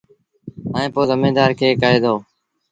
ائيٚݩ پو زميݩدآر کي ڪهي دو